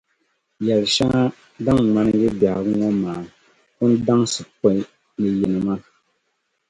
Yεli shɛŋa din ŋmani yi biɛhigu ŋɔ maa Pun daŋsi pɔi ni yinima.